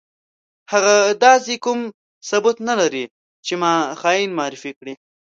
هغه داسې کوم ثبوت نه لري چې ما خاين معرفي کړي.